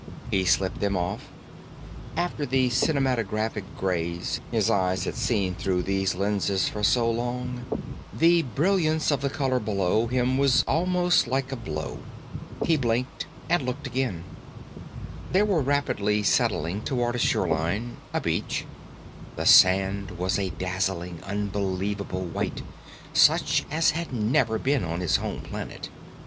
He slipped them off. After the cinematographic grays his eyes had seen through these lenses for so long, the brilliance of the color below him was almost like a blow. He blinked, and looked again. They were rapidly settling toward a shoreline, a beach. The sand was a dazzling, unbelievable white such as had never been on his home planet.